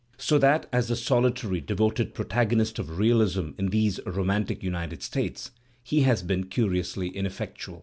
So that as the solitary, devoted protagonist of realism in these romantic United States he has been curiously inef fectual.